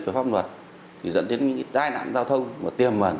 về pháp luật thì dẫn đến những tai nạn giao thông và tiềm mẩn